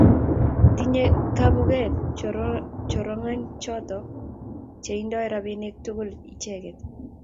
tinyei kamugeet chenungarainichoto cheindenoi robinikab tuguk icheget